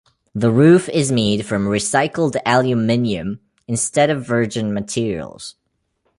The roof is made from recycled aluminium instead of virgin materials.